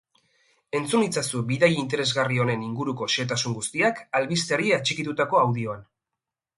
Entzun itzazu bidai interesgarri honen inguruko xehetasun guztiak albisteari atxikitutako audioan.